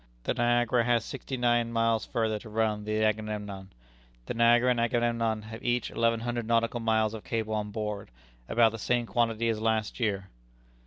The Niagara has sixty nine miles further to run than the Agamemnon. The Niagara and Agamemnon have each eleven hundred nautical miles of cable on board, about the same quantity as last year."